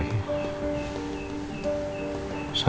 seharusnya kamu kasih tau